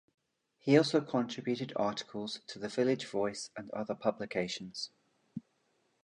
He also contributed articles to "The Village Voice" and other publications.